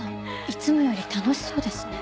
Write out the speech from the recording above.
いつもより楽しそうですね。